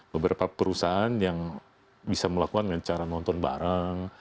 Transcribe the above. beberapa perusahaan yang bisa melakukan dengan cara nonton bareng